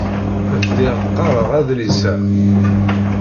Bdiɣ qqareɣ adlis-a.